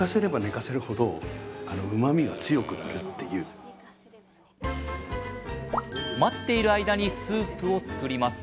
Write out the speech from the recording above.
更に待っている間にスープを作ります。